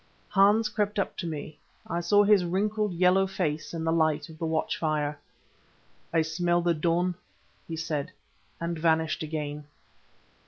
Hans crept up to me; I saw his wrinkled, yellow face in the light of the watch fire. "I smell the dawn," he said and vanished again.